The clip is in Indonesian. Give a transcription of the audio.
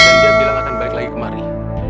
dan dia bilang akan balik lagi kemari